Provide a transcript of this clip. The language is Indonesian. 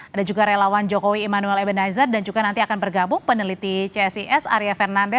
ada juga relawan jokowi immanuel ebenizer dan juga nanti akan bergabung peneliti csis arya fernande